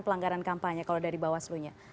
pelanggaran kampanye kalau dari bawaslu nya